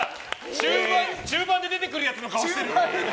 中盤に出てくるやつの顔してる！